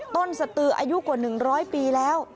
สตืออายุกว่า๑๐๐ปีแล้ว